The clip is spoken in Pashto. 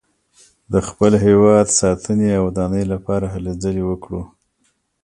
د خپل هېواد ساتنې او ودانۍ لپاره هلې ځلې وکړو.